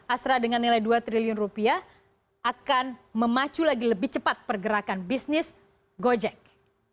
astra dengan nilai dua triliun rupiah akan memacu lagi lebih cepat pergerakan bisnis gojek